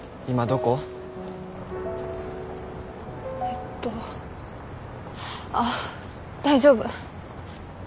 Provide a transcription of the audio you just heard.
えっとあっ大丈夫。